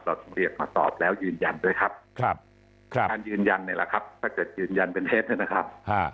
เราต้องเรียกมาสอบแล้วยืนยันด้วยครับครับยืนยันนี่แหละครับถ้าเกิดยืนยันเป็นเท็จนะครับ